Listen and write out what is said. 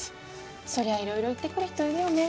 そりゃいろいろ言ってくる人いるよね